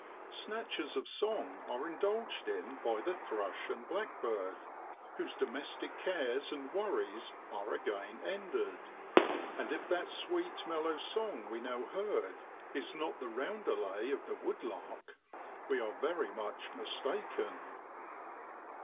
Snatches of song are indulged in by the thrush and blackbird, whose domestic cares and worries are again ended; and if that sweet mellow song we now heard is not the roundelay of the woodlark, we are very much mistaken.